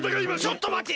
ちょっとまて！